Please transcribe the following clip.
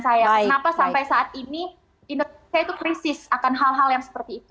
itu pertanyaan saya kenapa sampai saat ini saya itu krisis akan hal hal yang seperti itu